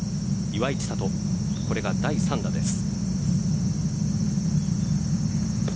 岩井千怜、これが第３打です。